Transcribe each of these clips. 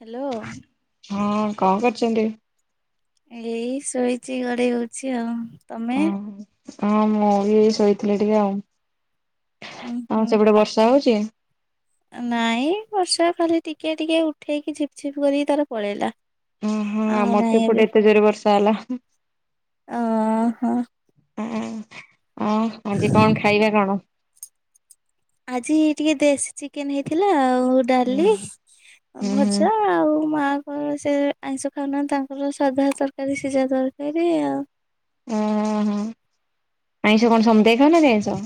Hello ହଁ କଣ କରିଛନ୍ତି ଏଇ ଶୋଇଛି ଗଡେଇ ହଉଛି ଆଉ ତମେ? ଓୋ ହଁ ମୁଁ ବି ଶୋଇଥିଲି ଟିକେ ଆଉ ଉଁ ହୁଁ ହଁ ସେପଟେ ବର୍ଷା ହଉଛି ନାଇଁ ବର୍ଷା ଖାଲି ଟିକେ ଟିକେ ଉଠେଇକି ଝିପ ଝିପ୍ କରିକି ତାର ପଳେଇଲା ଓ ହୋ ଆଉ ଆମର ତ ଏ ନାହିଁ ଏବେ ପଟେ ଏତେ ଜୋର ବର୍ଷା ହେଲା ହଁ ଓହୋ ହ ଆଜି କଣ ଖାଇବା କଣ ଆଜି ଟିକେ ଦେଶୀ ଚିକେନ ହେଇଥିଲା ଆଉ ହୁଁ ଡାଲି ହୁଁ ହୁଁ ଭଜା ଆଉ ମାଆଙ୍କର ସେ ଆଇଁଷ ଖାଉନାହାନ୍ତି ତାଙ୍କର ସାଧା ତରକାରୀ ସିଝା ଦରକାରୀ ଫେରିଆ। ଓହୋ ଆଇଁଷ କଣ ସମତେ ଖାଉ ନାହାନ୍ତି ଆଇଁଷ।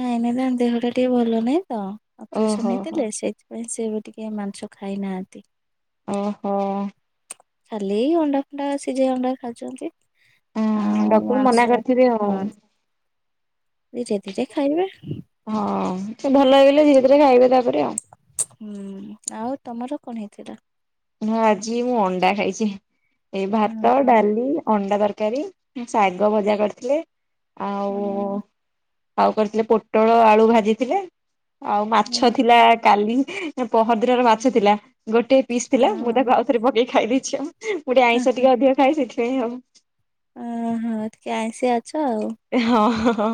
ନାଇଁ ନାଇଁ ତାଙ୍କ ଦେହଟା ଟିକେ ଭଲ ନାଇଁ ତ ଅପରେସନ ଓହୋ ହୋ ହେଇଥିଲେ ସେଇଥି ପାଇଁ ସେ ଏବେ ଟିକେ ମାଂସ ଖାଇନାହାନ୍ତି। ଓହୋ। ଖାଲି ଏ ଅଣ୍ଡା ଫଣ୍ଡା ସିଝେଇ ଅଣ୍ଡା ଖାଉଛନ୍ତି। ହଁ ଆଉ ଡକ୍ଟର ମନା ମାଂସ କରିଥିବେ ଆଉ। ହଁ ଧୀରେ ଧୀରେ ଖାଇବେ। ହଁ ଭଲ ହେଇଗଲେ ଧୀରେ ଧୀରେ ଖାଇବେ ତାପରେ ଆଉ। ହୁଁ ଆଉ ତମର କଣ ହେଇଥିଲା? ମୁଁ ଆଜି ଅଣ୍ଡା ଖାଇଛି। ଏଇ ଭାତ, ଡାଲି, ଅଣ୍ଡା ତରକାରୀ। ଶାଗ ଭଜା କରିଥିଲେ ଆଉ-ଉ-ଉ-ଉ ଆଉ କରିଥିଲେ ପୋଟଳ ଆଳୁ ଭାଜିଥିଲେ ଆଉ ମାଛ ଥିଲା କାଲି ଏ ପହରଦିନରେ୍ ମାଛ ଥିଲା। ଗୋଟେ ପିସ୍ ଥିଲା ମୁଁ ତାକୁ ଓହୋ ଆଉଥରେ ପକେଇ ଖାଇ ଦେଇଛି ଆଉ। ମୁଁ ଆଇଁଷ ଟିକେ ଅଧିକ ଖାଏ ସେଥିପାଇଁ ଆଉ। ଓହୋ ଟିକେ ଆଇଁଷିଆ ଅଛ। ହଁ ହଁ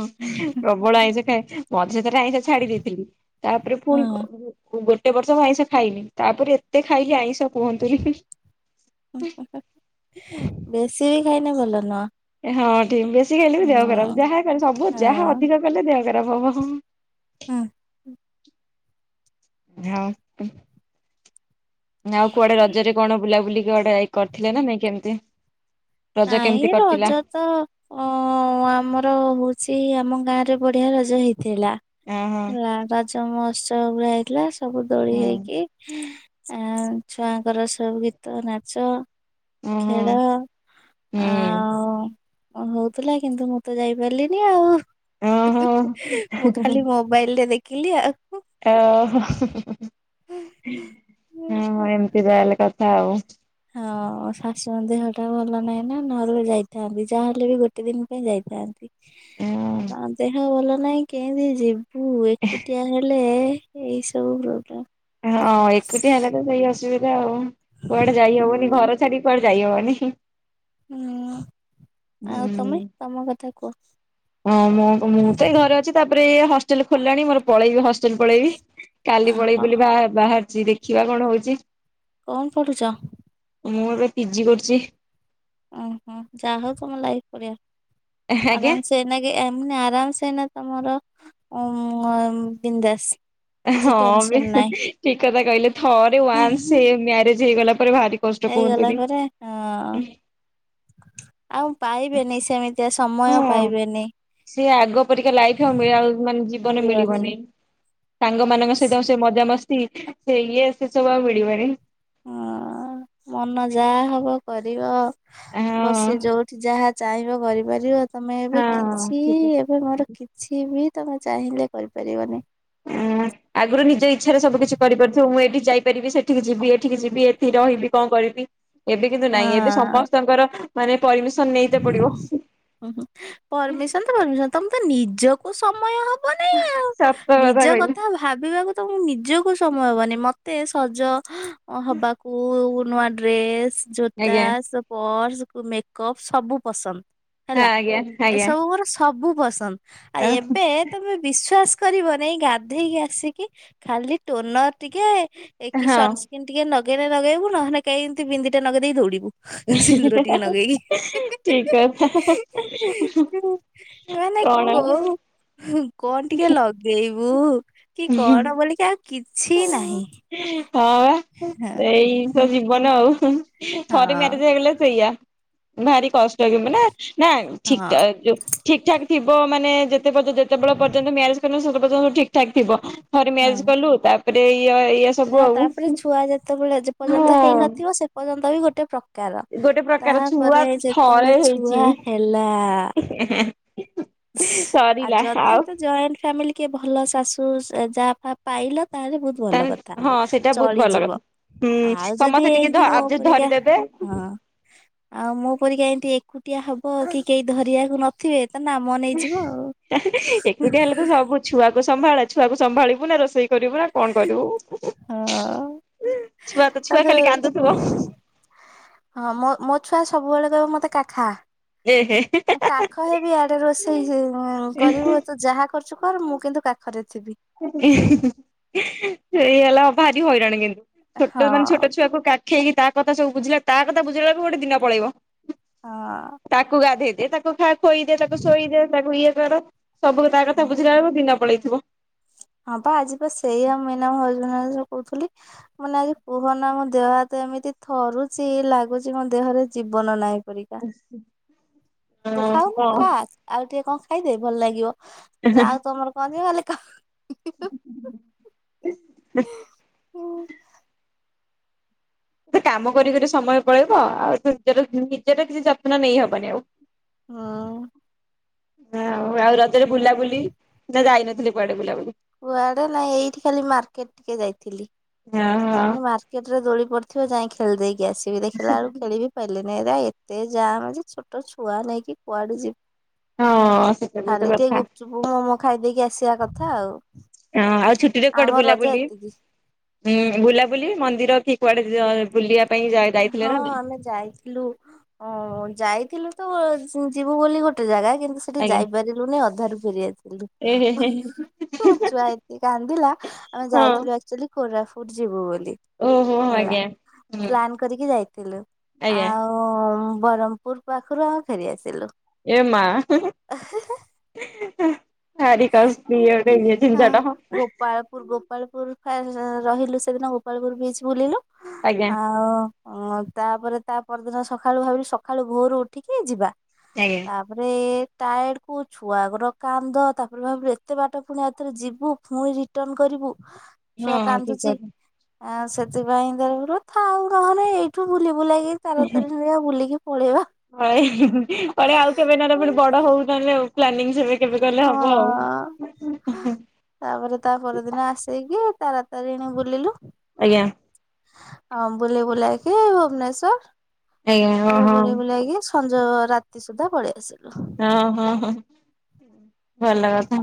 ପ୍ରବଳ ଆଇଁଷ ଖାଏ। ମଝିରେ ଥରେ ଆଇଁସ ଛାଡି ଦେଇଥିଲି ତାପରେ ଫୁଣି କ ହଁ ମୁଁ ଗୋଟେ ବର୍ଷ ଆଇଁଷ ଖାଇନି ତାପରେ ଏତେ ଖାଇଲି ଆଇଁଷ କୁହନ୍ତୁନି। ବେଶି ବି ଖାଇନେ ଭଲ ନୁହ। ହଁ ଠିକ ବେଶୀ ଖାଇଲେ ବି ଦେହ ଖରାପ ଯାହା କଲେ ସବୁ ହଁ ଯାହା ଅଧିକ କଲେ ଦେହ ଖରାପ ହବ-ଅ-ଅ। ଉଁ। [unintelligible] ଆଉ କୁଆଡେ ରଜରେ କଣ ବୁଲାବୁଲିି କୁଆଡେ କରିଥିଲେ ନା ନାଇଁ କେମିତି? ରଜ କେମିତି ନାଇଁ କଟିଲା? ରଜରେ ତ ଅ-ଅ-ଅ-ଅ ଆମର ହଉଛି ଆମ ଗାଁ ରେ ବଢିଆ ରଜ ହେଇଥିଲା। ହେଲା ରଜ ମହୋତ୍ସବ ପୁରା ହେଇଥିଲା ସବୁ ଦୋଳି ହେଇକି ଆଉ ଛୁଆଙ୍କର ସବୁ ଗୀତ, ନାଚ, ଖେଳ। ହୁଁ ଆ-ଉ-ଉ-ଉ ହଉଥିଲା କିନ୍ତୁ ମୁଁ ତ ଯାଇପାରିଲିନି ଆଉ। ଓହୋ ମୁଁ ଖାଲି ମୋବାଇଲରେ ଦେଖିଲି ଆଉ। ଓହୋ ହଁ ହଁ ଏମିତି ତା ହେଲେ କଥା ଆଉ। ହଁ ଶାଶୁଙ୍କ ଦେହ ଟା ଭଲ ନାହିଁ ନା ନହେଲେ ଯାଇଥାନ୍ତି ଯାହାହେଲେ ବି ଗୋଟେ ଦିନ ପାଇଁ ଯାଇଥାନ୍ତି। ହଁ ଆ ବା ଦେହ ଭଲ ନାହିଁ କେମିତି ଯିବୁ ଏକୁଟିଆ ହେଲେ-ଏ-ଏ ଏଇସବୁ ପ୍ରୋବ୍ଲେମ। ହଁ ଏକୁଟିଆ ହେଲେ ତ ସେଇ ଅସୁବିଧା ଆଉ। କୁଆଡେ ଯାଇ ହବନି ହୁଁ। ଘର ଛାଡିି କୁଆଡେ ଯାଇ ହବନି। ହୁଁ ଆଉ ତମେ ତମ କଥା କୁଅ। ହଁ ମୁଁ ମୁଁ ତ ଏଇ ଘରେ ଅଛି ତାପରେ ଏ ହଷ୍ଟେଲ ଖୋଲିଲାଣି ମୋର ପଳେଇବି ହଷ୍ଟେଲ ପଳେଇବି। କାଲି ପଳେଇବି ବୋଲି ବାହା ବାହାରିଛି ଦେଖିବା କଣ ହଉଛି। କଣ ପଢ଼ୁଚ? ମୁଁ ଏବେ ପି ଜି କରୁଚି। ଓହୋ ଯା ହଉ ତମ ଲାଇଫ୍ ରେ ଆଜ୍ଞା ଆରାମ୍ ସେ ସେନାକି ଏମ ଆରାମସେ ନା ତମର ଉ-ଉ-ଉ-ଉ ବିନ୍ଦାସ୍। ହଁ ଏବେ ଠିକ୍ କଥା କହିଲେ ଥରେ ହୁଁ ହୁଁ ୱାନ୍ସ ଏ ମ୍ୟାରେଜ୍ ହେଇଗଲା ପରେ ଭାରି କଷ୍ଟ ହେଇଗଲା କୁହନ୍ତୁନି ପରେ ହଁ ଆଉ ପାଇବେନି ସେମିତି ତେ ସମୟ ହଁ ପାଇବେନି। ସେ ଆଗ ପରିକା ଲାଇଫ ଆ ମିଆ ମାନେ ଜୀବନ ମିଳିବନି। ସାଙ୍ଗ ମାନଙ୍କ ସହିତ ସେ ମଜାମସ୍ତି ସେ ଇଏ ସେ ସବୁ ଆଉ ମିଳିବନି। ଅ-ଅ-ଅ ମନ ଯାହା ହବ କରିବ ହଁ ବସି ଯୋଉଠି ଯାହା ଚାହିଁବ କରିପାରିବ ତମେ ଏବେ ହଁ। ଠିକ କିଛି-ଇ-ଇ-ଇ ଏବେ ମୋର କି ଛି ବି ତମେ ଚାହିଁଲେ କରିପାରିବନି। ଉଁ। ଆଗରୁ ନିଜ ଇଚ୍ଛାରେ ସବୁ କିଛି କରିପାରୁଥିବ ମୁଁ ଏଠି ଯାଇପାରିବି ସେଠିକି ଯିବି ଏଠିକି ଯିବି ଏଠି ରହିବି କଣ କରିବି। ଏବେ କିନ୍ତୁ ନାଇ ଏବେ ହଁ। ସମସ୍ତଙ୍କର ମାନେ ପରମିସନ ନେଇତେ ପଡିବ। ହୁଁ ହୁଁ ପରମିସନ ତ ଭାବୁଛ ତମେ ତ ନିଜକୁ ସମୟ ହବନି ଆଉ ସତ ନିଜ କହିଲେ କଥା ଭା ଭାବିବାକୁ ତ ମୁ ନିଜକୁ ସମୟ ହବନି ମତେ ସଜ ଅ ହବାକୁ ନୂଆ ଡ୍ରେସ୍ ଜୋତା ଆଜ୍ଞା ସେ ପର୍ସ କୁ ମେକଅପ୍ ସବୁ ପସନ୍ଦ। ହଁ ହେଲା ଆଜ୍ଞା ଆଜ୍ଞା ଏସବୁ ମୋର ସବୁ ପସନ୍ଦ ଆ ଏବେ ତମେ ବିଶ୍ଵାସ କରିବ ନେଇ ଗାଧେଇକି ଆସିକି ଖାଲି ଟୋନର ଟିକେ ଏଇ କି ହଁ। ସନ୍ ସ୍କିନ ଟିକେ ନଗେଇଲେ ନଗେଇବୁ ନହେଲେ କେହି ଏମିତି ବିନ୍ଦି ଟେ ନଗେଇ ଦେଇ ଦୌଡିବୁ। ସିନ୍ଦୁର ଟିକେ ନଗେଇକି। [inaudible] ଠିକ କଥା ମାନେ କଣ। କୋଉ କଣ ଟିକେ ଲଗେଇବୁ କି କଣ ବୋଲିକି ଆଉ କିଛି ନାହିଁ। ହଁ ହଁ ବା ହଁ ଏଇତ ଜୀବନ ଆଉ। ଥରେ ମ୍ୟାରେଜ ହେଇଗଲେ ସେଇଆା ଭାରି କଷ୍ଟ କିନ୍ତୁ ନା ନା ଠିକ ହଁ ତା ଯୋଉ ଠିକ୍ ଠାକ୍ ଥିବ ମାନେ ଯେତେ ପର୍ଯ୍ୟ ଯେତେବେଳେ ପର୍ଯ୍ୟନ୍ତ ମ୍ୟାରେଜ କରନ ସେତ ପର୍ଯ୍ୟନ୍ତ ଠିକ୍। କ୍ ଠାକ ଥିବ ଥରେ ମ୍ୟାରେଜ୍ ହଁ। କଲୁ ତାପରେ ଇଏ ଇଏ ସବୁ ନା ଆଉ ତାପରେ ଛୁଆ ଯେତେବେଳେ ଯେ ମୁଁ ପର୍ଯ୍ୟନ୍ତ ହେଇନଥିବ ସେ ପର୍ଯ୍ୟନ୍ତ ବି ଗୋଟେ ପ୍ର କାର ଗୋଟେ ପ୍ରକାର ଛୁଆ ତାପରେ ଯେତେବେଳେ ଥରେ ହେଇଛି ଛୁଆ ହେଲା। [inaudible] ଆ ସରିଲା ଯଦି ଆଉ ତ ଜଏଣ୍ଟ ଫ୍ୟାମିଲି କେ ଭଲ ଶାଶୁ ଯା ଫା ପାଇଲ ତାହେଲେ ବହୁତ ଭଲ ତାହେଲେ କଥା ହଁ ସେଇଟା ବହୁତ ଭଲ ଚଳିଯିବ। କଥା ହୁଁ ଆଉ ସମସ୍ତେ ଯଦି ଟିକେ ଏମିତି ମୋ ପରୀକା ଧରିଦେବେ ହଁ। ଆଉ ମୋ ପରିକା ଏମତି ଏକୁଟିଆ ହବ କି କେହି ଧରିବାକୁ ନଥିବେ ତ ଏକୁଟିିଆ ହେଲେ ତ ସବୁ ଛୁଆକୁ ସମ୍ଭାଳ ଛୁଆକୁ ସମ୍ଭାଳିବୁ ନା ରୋଷେଇ କରିବୁ ନା କଣ କରିବୁ। ହଁ। ଛୁଆ ତ ଛୁଆ ତାପରେ ଖାଲି କାନ୍ଦୁଥିବ। ହଁ ମୋ ମୋ ଛୁଆ ସବୁବେଳେ କହିବ ମତେ କାଖା। ଏ ହେ ମୁଁ କାଖ ହେବି ଆଡେ ରୋଷେଇ ହିିଇ କରିବୁ ତୁ ଯାହା କରୁଛୁ କର ମୁଁ କିନ୍ତୁ ପାଖରେ ଥିବି। ସେଇ ହେଲା ଭାରି ହଇରାଣ କିନ୍ତୁ ହଁ ଛୋଟ ମାନେ ଛୋଟ ଛୁଆକୁ କା ଖେଇକି ତା କଥା ସବୁ ବୁଝିଲା ତା କଥା ବୁଝିଲା ବେଳିକୁ ଗୋଟେ ଦିନ ପଳେଇବ। ହଁ। ତାକୁ ଗାଧେଇ ଦେ ତାକୁ ଖା ଖୋଇଦେ ତାକୁ ଶୋଇଦେ ତାକୁ ଇଏ କର ସବୁରେ ତା କଥା ବୁଝିଲା ବେଳକୁ ଦିନ ପଳେଇଥିବ। ହଁ ବା ଆଜି ବା ସେଇ ଆଉ [unintelligible] କହୁଥିଲି। ମାନେ ଆଜି କୁହ ନା ମୋ ଦେହ ହାତ ଏମିତି ଥରୁଛି ଲାଗୁଛି ମୋ ଦେହରେ ଜୀବନ ନାହିଁପରି। ଖା ଦେ ଖାଉନୁ ଖା। ଆଉ ଟିକେ କଣ ଖାଇଦେ ଭଲ ଲାଗିବ ନା କଣ ଆଉ ତମର କଣ ଯିବ ହେଲେ କ [inaudible] କାମ କରି କରି ସମୟ ପଳେଇବ ଆଉ ନିଜର ନିଜର କିଛି ଯତ୍ନ ନେଇହବନି ଆଉ। ହଁ। ହ ଆଉ ରଜରେ ବୁଲାବୁଲି ନା ଯାଇନଥିଲେ କୁଆଡେ ବୁଲାବୁଲି। କୁଆଡେ ନାଇଁ ଏଇଠି ଖାଲି ମାର୍କେଟ ଟିକେ ଯାଇଥିଲି ଓହୋ ମାନେ ମାର୍ କେତଟା ଦୋଳି ପଡ଼ିଥିବ ଯାଇ ଖେଳି ଦେଇକି ଆସିବି ଦେଖିଲାଳକୁ ଖେଳିବି କହିଲେ ନାଇଁ ଏରା ଏତେ ଯାମ୍ ଯେ ଛୋଟ ଛୁଆ ନେଇକି କୁଆଡେ ଯିବ୍ ହଁ ହଁ ସେଟା ବି ଗୋଟେ ଖାଲି ଟିକେ କଥା ଗୁପଚୁପ ମୋମୋ ଖାଇଦେଇକି ଆସିବା କଥା ଆଉ। ହଁ ଆଉ ଛୁଟିରେ କୁଆଡେ ଆମ ରଜ ବୁଲାବୁଲି ଏତିକି। ହୁଁ ବୁଲାବୁଲି ମନ୍ଦିର କି କୁଆଡେ ଯ ବୁଲିବା ପାଇଁ ଯା ଯାଇଥିଲେ ନାଇଁ। ନା ଯାଇ ଥିଲୁ ଅଁ ଯାଇଥିଲୁ ତ ଉଁ ଯିବୁ ବୋଲି ଗୋଟେ ଜାଗା କିନ୍ତୁ ସେଠି ଆଜ୍ଞା ଯାଇପାରିଲୁନି ଅଧାରୁ ଫେରିଆସି ଲୁ ଏ ମୋ ଛୁଆ ଏତେ କାନ୍ଦିଲା ଆମେ ହଁ ଯାଇଥିଲୁ ଆକ୍ଚୋଲି କୋରାପୁଟ ଯିବୁ ବୋଲି। ଓହୋ ହେଲା ଆଜ୍ଞା ହୁଁ। ପ୍ଲାନ୍ କରିକି ଯାଇଥିଲୁ ଆଜ୍ଞା ଆଉ ବରହମପୁର ପାଖରୁ ଆମେ ଫେରି ଆସିଲୁ। ଏ ମା। ଭାରି କଷ୍ ଉଁ ଯୋଉ ଜି ଏ ଝିଞ୍ଝଟ। ପାଳପୁର ଗୋପାଳପୁର ଫା ଉଁ ରହିଲୁ ସେଦିନ ଗୋପାଳପୁର ବିଚ୍ ବୁଲିଲୁ। ଆଜ୍ଞା ଆଉ ଉଁ ତା ପରେ ତା ପରଦିନ ସଖାଳୁ ଭାବିଲି ସଖାଳୁ ଭୋରୁ ଉଠିକି ଯିବା। ଆଜ୍ଞା। ତାପରେ ଏ ଟାଏଡ କୁ ଛୁଆଙ୍କର କାନ୍ଦ ତା ପରେ ଭାବୁ ଏତେ ବାଟ ପୁଣି ଆଉ ଥରେ ଯିବୁ ଫୁଣି ରିଟର୍ଣ କରିବୁ ଛୁଆ ହଁ ଠିକ କାନ୍ଦୁଚି। କଥା। ଆଉ ସେଥିପାଇଁ [unintelligible] ଥାଉ ନହେଲେ ଏଇଠୁ ବୁଲି ବୁଲାକି ତାରା ତାରିଣୀ ହେରିକା ବୁଲିକି ପଳେଇବା। ଅ ଏ ବଢିଆ ଆଉ। କେବେ ନହେଲେ ପୁଣି ବଡ ହଉ ନହେଲେ ଆଉ ପ୍ଲାନିଂ ସେବେ କେବେ କଲେ ହବ ହଁ। ଆଉ। ତାପରେ ତା ପର ଦିନ ଆସେଇକି ତାରା ତାରିଣୀ ବୁଲିଲୁ। ଆଜ୍ଞା। ହଁ ବୁଲି ବୁଲାଇକି ଭୁବନେଶ୍ଵର ଆଜ୍ଞା ଓହୋ ଆ ତା ହଁ ବୁଲି ବୁଲାଇକି ସଞ୍ଜ ରାତି ସୁଦ୍ଧା ପଳେଇ ଆସିଲୁ। ହଁ ହଁ ହଁ ଭଲ କଥା।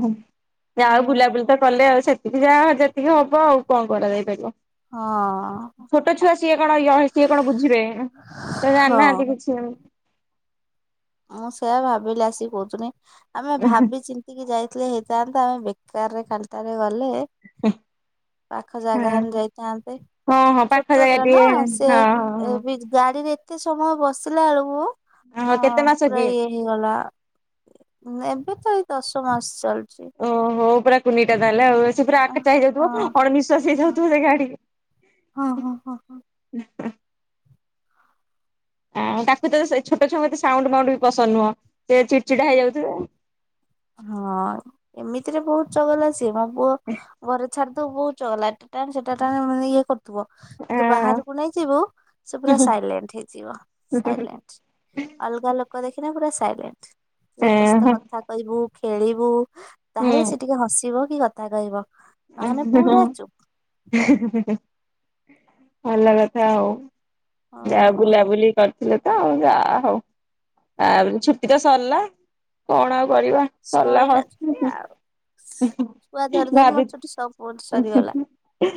ଯାହା ହଉ ହଁ ବୁଲା ବୁଲି ତ କଲେ ଆଉ ସେତିକି ଯାହା ଯେତିକି ହବ ଆଉ କଣ କରାଯାଇ ପାରିବ। ହଁ। ଛୋଟ ଛୁଆ ସିଏ କଣ ଇ ହଁ ସିଏ କଣ ବୁଝିବେ ତ ହଁ। ଜାଣିନାହାନ୍ତି କିଛି ଉଁ। ମୁଁ ସେଇଆ ଭାବିଲି ଆସିକି କହୁଥିନି ଆମେ ହଁ ଭାବି ଚି ଚିନ୍ତିକି ଯାଇଥିଲେ ହେଇଥାନ୍ତା ଆମେ ବେକାରରେ ଖାଲିଟାରେ ଗଲେ। ହୁଁ। ପାଖ ଜାଗା ହେଲେ ଯାଇଥାନ୍ତେ ହଁ ପାଖ ଛୋଟ ଜାଗା ଟା ନା ଟିକେ ହଁ ସେଏ ହଁ ଏ ବି ଗାଡିରେ ଏତେ ସମୟ ବସିଲା ବେଳକୁ ହଁ କେତେ ମାସ ପୁରା କି? ଇଏ ହେଇଗଲା ହୁଁ ଏବେ ତ ଏଇ ଦଶ ମାସ ଚାଲୁଚି। ଓହୋ ହୋ ପୁରା କୁନି ଟା ତାହାଲେ ଆଉ। ସେ ପୁରା ହଁ। ଆକାଚାଇ ହେଇଯାଉଥିବ ଅଣନିଃଶ୍ଵାସୀ ହେଇଯାଉଥିବ ସେ ଗାଡି। ହଁ ହଁ ହଁ ହଁ ହଁ [unintelligible] ଆଉ ତାକୁ ତ ସେଇ ଛୋଟ ଛୁଆଙ୍କୁ ଏତେ ସାଉଣ୍ଡ ମାଉଣ୍ଡ ବି ପସନ୍ଦ ନୁହଁ ସେ ଚିଡ୍ ଚିଡା ହେଇଯାଉଥିବେ। ହଁ ଏମିତିରେ ବହୁତ ଚଗଲା ସିଏ ମୋ ପୁଅ ଘରେ ଛାଡି ଦବୁ ବହୁତ ଚଗଲା ଟାନେ ସେଟା ଟାନେ ମ-ମାନେ ଇଏ କ ଥୁବ କିନ୍ତୁ ବାହାରୁକୁ ନେଇଯିବୁ ସେ ହଁ ପୁରା ସାଇଲେଣ୍ଟ ହେଇଯିବ ସାଇଲେଣ୍ଟ୍। ଅଲଗା ଲୋକ ଦେଖିନେ ପୁରା ସାଇଲେଣ୍ଟ୍ ଯଦି ତା ସହିତ କଥା କହିବୁ ଖେଳିବୁ ତାହେଲେ ସେ ଟିକେ ହସିବ କି କଥା କହିବ। ଉଁ ନହେଲେ ହୁଁ ହୁଁ ପୁରା ଚୁପ ହିଁ ହିଁ ହିଁ ଭଲ କଥା ଆଉ। ଯାହା ହଁ ବୁଲା ବୁଲି କର ଥିଲୁ ତ ଆଉ ଯା ହଉ ଆଉ ଛୁଟି ତ ସରିଲା କଣ ଆଉ କରିବା। ସରିଲା ହ ସଇଲା ଛୁଟି ଆଉ। ଛୁଆ ଧରି [inaudible] ଧରି ମୋର ଭାବି ସବୁ ଅଛି। ହୁଁ ହୁଁ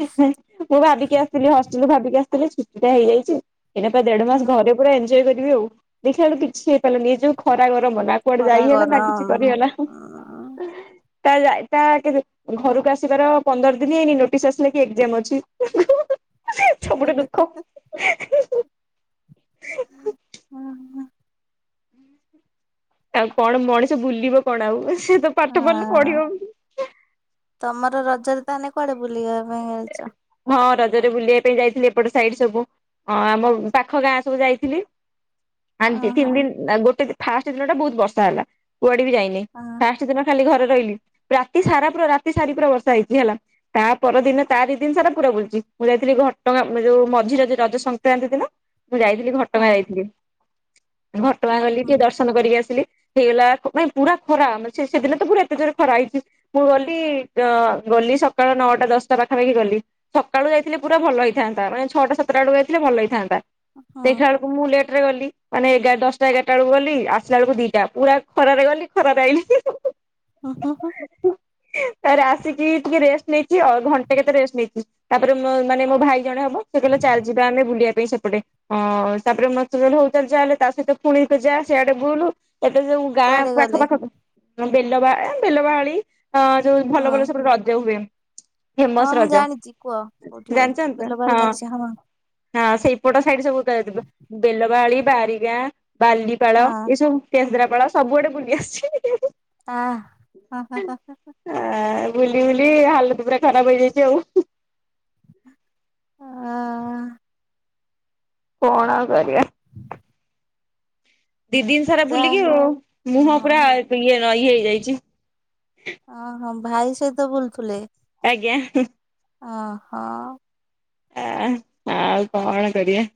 ହିଁ ମୁଁ ଭାବିକି ଆସିଥିଲି ହଷ୍ଟେଲରୁୁ ଭାବିକି ଆସିଥିଲି ଛୁଟି ଟା ହେଇଯାଇଚି। ଏଇନା ପା ଦେଢ ହୁଁ ମାସ ଘରେ ପୁରା ଏଞ୍ଜୟ କରିବି ଆଉ ଦେଖିଲା ବେଳୁ କିଛି ହେଇପାରିଲାନି ଏ ଯୋଉ ଖରା ଗରମ ନା କୁଆଡେ ଖରା ଯାଇ ହେଲା ନା କିଛି ଗରମ କରିହେଲା। ଉଁ ତା ଯାଇ ତା ଆଗେରେ ଘରୁକୁ ଆସ ସିବାର ପନ୍ଦର ଦିନି ହେଇନି ନୋଟିସ୍ ଆସିଲା କି ଏକ୍ଜାମ ଅଛି ସବୁଠୁ ଦୁଃଖ। ଓ ହୋ। ଆଉ କଣ ମଣିଷ ବୁଲିବ କଣ ଆଉ ସେ ତ ପାଠ ପଢ଼ିଲେ ପଢି଼ବ। ତମର ରଜରେ ତାହେନେ କୁଆଡେ଼ ବୁଲିବା ପାଇଁ ଆଇଚ? ହଁ ରଜରେ ବୁଲିବା ପାଇଁ ଯାଇଥିଲି ଏପଟ ସାଇଡ ସବୁ ଅ‍ଁ ଆମ ପାଖ ଗାଁ ସବୁ ଯାଇଥିଲି। [inaudible] ଆଁ ଦି ତିନି ଦିନ ଆ ଗୋଟେ ଫାଷ୍ଟ ଦିନ ଟା ବୋହୁତ ବର୍ଷା ହେଲା କୁଆଡ଼େ ବି ଯାଇନି। ହଁ। ଫାଷ୍ଟ ଦିନ ଖାଲି ଘରେ ରହିଲି ରାତି ସାରା ପୁରା ରାତି ସାରି ପୁରା ବର୍ଷା ହେଇଛି ହେଲା ତା ପରଦିନ ତାରି ଦିନ ସାରା ପୁରା ବୁଲିଛି ମୁଁ ଯାଇଥିଲି ଘଟ ଗାଁ ମ ଯୋଉ ମଝି ରଜ ରଜ ସଂକ୍ରାନ୍ତି ଦିନ। ମୁଁ ଯାଇଥିଲି ହଁ ଘଟଗାଁ ଯାଇଥିଲି ଘଟଗାଁ ଉଁ ଗଲି ହୁଁ ଟିକେ ଦର୍ଶ ସନ କରିକି ଆସିଲି ହେଇଗଲା ମାନେ ଓ ଭାଇ ପୁରା ଖରା ମ ସେ-ସେଦିନ ତ ପୁରା ଏତେ ଜୋରେ ଖରା ହେଇଛି। ମୁଁ ଗଲି ଜ ଗଲି ସକାଳ ନଅଟା ଦଶ ତା ପାଖାପାଖି ଗଲି ସକାଳୁ ଯାଇଥିଲେ ପୁରା ଭଲ ହେଇଥାନ୍ତା ମାନେ ଛଅଟା ସାତଟା ବେଳକୁ ଯାଇଥିଲେ ଭଲ ହେଇଥାନ୍ତା। ହୁଁ ଦେଖିଲାଳୁ ମୁଁ ଲେଟ ରେ ଗଲି ମାନେ ଏଗା ଦଶଟା ଏଗାରଟା ବେଳକୁ ଗଲି ଆସିଲା ବେଳକୁ ଦିଟା ପୁରା ଖରାରେ ଗଲି ଖାରାରେ ଆଇଲି। ହଁ ହଁ ହଁ। [unintelligible] ତାପରେ ଆସିକି ଟିକେ ରେଷ୍ଟ ନେଇଛି ଅ ଘନ୍ ଟେ କେତେ ରେଷ୍ଟ୍ ନେଇଛି ତାପରେ ମୋ ମାନେ ମୋ ଭାଇ ଜଣେ ହବ ସେ କହିଲା ଚାଲ ଯିବା ଆମେ ବୁଲିବା ପାଇଁ ସେପଟେ ହଁ ତାପରେ ମତେ [unintelligible] ହଉ ଚାଲେ ତା ସହିତ ପୁଣି ତୁ ଯା ସିଆଡ଼େ ବୁଲୁ। ଏଟା ଯୋଉଁ ଗାଁ କୁଆଡେ ପାଖ ଗଲେ? ପାଖ ବେଲ ବା ବେଲ ବାହାଳି। ଅଁ ଯୋଉ ଭଲ ହୁଁ। ଭଲ ସେପଟେ ରଜ ହୁଏ। ହଁ ଫେମସ୍ ମୁଁ ରଜ ଜାଣିଛି କୁହ କୋଉଠି ହୁଏ ଜାଣିଛନ୍ତି ତ ବିଲବାଲ ହଁ। ଜାଣିଛି ହଁ ସେଇପଟ ସାଇଡ୍ ସବୁ ହେରିକା ଯାଇଥିଲୁ ବେଲବାହାଳି ବାରିଗାଁ ବାଲିପାଳ ଏସବୁ। କେନ୍ଦ୍ରାପାଳ ସବୁ ଆଡ଼େ ବୁଲି ଆସିଛି। ଆ ହ ହ ହ ହ। ଆ ବୁଲି ବୁଲି ହାଲତ୍ ପୁରା ଖରାପ ହେଇଯାଇଛି ଆଉ। ହଁ। କଣ ଆଉ କରିବା। ଦି ଦିନ ସାରା ଯା ବୁଲିକି ହଉ ଆଉ ମୁହଁ ପୁରା ହଁ ବ ଇଏ ରଇ ହେଇଯାଇଛି। ଅ ହ ଭାଇ ସହିତ ବୁଲୁଥିଲେ? ଆଜ୍ଞା ହୁଁ। ଅହ। ଆ ଆଉ କଣ କରିବା।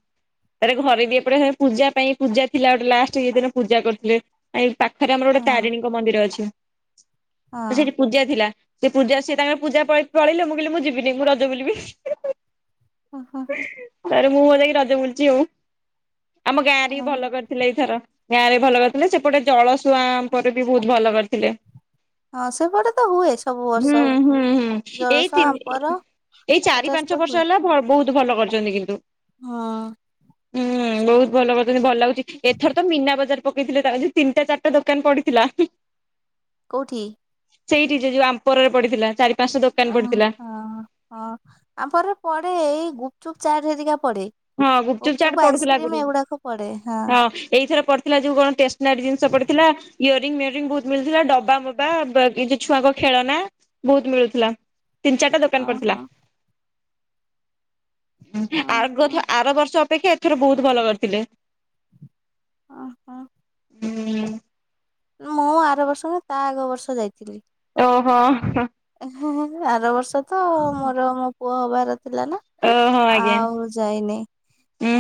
ତାପରେ ଘରେ ବି ଏପଟେ ହେ ପୂଜା ପାଇଁ ପୂଜା ଥିଲା ଗୋଟେ ଲାଷ୍ଟେ କି ଦିନ ପୂଜା କରୁଥିଲେ। ଆ ଏଇ ପାଖରେ ଆମର ଗୋଟେ ହଁ ତାରିଣୀଙ୍କ ମନ୍ଦିର ଅଛି ହଁ ଆ ସେଠି ପୂଜା ଥିଲା। ସେ ପୂଜା ସେ ତାଙ୍କର ପୂଜା ପାଇଁ ପଳେଇଲେ ମୁଁ କହିଲି ମୁଁ ଯିବିନି ମୁଁ ରଜ ବୁଲିବି। ହଁ ତପାରେ ମୁଁ ମୋର ଯାଇକି ରଜ ବୁକୁଛି ଆଉ ଆମ ଗାଁରେ ବି ହଁ ଭଲ କରି ଥିଲେ ଏଇଥର ଗାଁ ରେ ଭଲ କରିଥିଲେ ସେପଟେ ଜଳ ଶୁଆ ପରେ ବି ବୋହୁତ ଭଲ କରିଥିଲେ। ହଁ ସେପଟେ ତ ହୁଏ ସବୁ ହୁଁ ବର୍ଷ ହୁଁ ହୁଁ ଏଇ ଜଳସୁଆ ତିନି ଆମ୍ପର ଏଇ ଚାରି ଏଟାରେ ପାଞ୍ଚ ତ ବର୍ଷ ହୁଏ ହେଲା ହେଲା ପରେ ବୋହୁତ ଭଲ କରିଛନ୍ତି କିନ୍ତୁ ହଁ ହୁଁ ବୋହୁତ ଭଲ କରିଛନ୍ତି ଭଲ ଲାଗୁ ଏଥର ତ ମୀନା ବଜାର ପକେଇଥିଲେ ତା କତିକି ତିନିଟା ଚାରିଟା ଦୋକାନ ପଡି଼ଥିଲା। କୋଉଠି? ସେଇଠି ଯେ ଯୋଉ ଆମ୍ପରରେ ପଡ଼ିଥିଲା ଚାରି ପାଁସ୍ ଟା ଅ ଦୋକାନ ପଡ଼ିଥିଲା। ହଁ ହଁ ଆମ୍ପର ରେ ପଡ଼େ ଏଇ ଗୁପଚୁପ୍ ଚାଠ୍ ହେରିକା ପଡ଼େ। ହଁ ଗୁପଚୁପ ଚାଟ ପଡ଼ୁଥିଲା ଆଗରୁ ହଁ ଏଇଥର ପଡ଼ ଥିଲା ଯୋଉ କଣ ଟେଷ୍ଟନାରୀ ଜିନିଷ ପଡ଼ିଥିଲା। ଇୟରିଙ୍ଗ ମିୟରିଙ୍ଗ ବହୁତ ମିଳୁଥିଲା ଡବା ମବା ବା କିଛି ଛୁଆଙ୍କ ଖେଳନା ବୋହୁତ ମିଳୁଥିଲା ତିନି ଚାରିଟା ଦୋକାନ ପଡ଼ିଥିଲା। ଓହୋ ହଁ ଆଗ ହଁ ଥ ଆର ବର୍ଷ ଅପେକ୍ଷା ଏଥର ବୋହୁତ ଭଲ କରିଥିଲେ। ଅ ହ। ହୁଁ ମୁଁ ଆର ବର୍ଷ ତା ଆଗ ବର୍ଷ ଯାଇଥିଲି। ଓହୋ ହ ଆର ବର୍ଷ ତ ମୋର ମୋ ପୁଅ ହବାର ଥିଲା ନା। ଓହୋ ଆଜ୍ଞା ଆଉ ଯାଇନି। ଉଁ